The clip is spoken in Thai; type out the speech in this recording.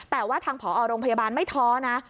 แต่ว่าทางผอโรงพยาบาลไม่ท้อนะ